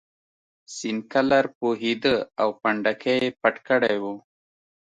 سینکلر پوهېده او پنډکی یې پټ کړی و.